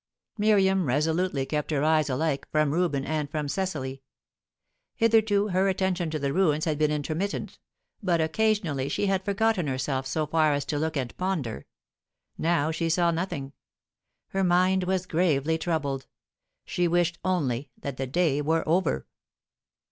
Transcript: Miriam resolutely kept her eyes alike from Reuben and from Cecily. Hitherto her attention to the ruins had been intermittent, but occasionally she had forgotten herself so far as to look and ponder; now she saw nothing. Her mind was gravely troubled; she wished only that the day were over.